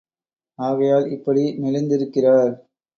ஆகையால் இப்படி மெலிந்திருக்கிறார்.